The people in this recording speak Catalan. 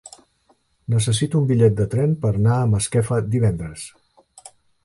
Necessito un bitllet de tren per anar a Masquefa divendres.